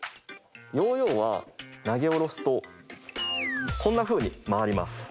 ヨーヨーはなげおろすとこんなふうにまわります。